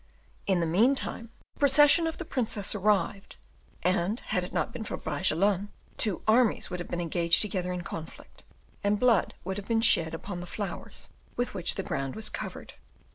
In the meantime, the procession of the princess arrived, and had it not been for Bragelonne, two armies would have been engaged together in conflict, and blood would have been shed upon the flowers with which the ground was covered.